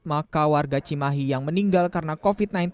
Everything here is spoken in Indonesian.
maka warga cimahi yang meninggal karena covid sembilan belas